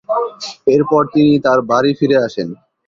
এর পর তিনি তার বাড়ি ফিরে আসেন।